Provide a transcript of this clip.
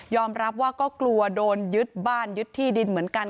รับว่าก็กลัวโดนยึดบ้านยึดที่ดินเหมือนกัน